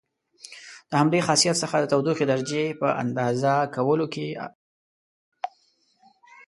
د همدې خاصیت څخه د تودوخې درجې په اندازه کولو کې کار اخلو.